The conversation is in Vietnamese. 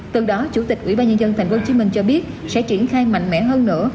từ đó chủ tịch ủy ban nhân dân tp hcm cho biết sẽ triển khai mạnh mẽ hơn nữa